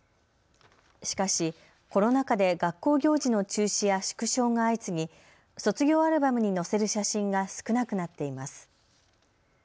しかし、コロナ禍で学校行事の中止や縮小が相次ぎ、卒業アルバムに載せる写真が少なくなっています。